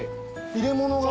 入れ物が。